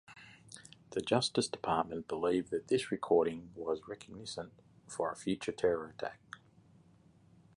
The Justice Department believed that this recording was reconnaissance for a future terror attack.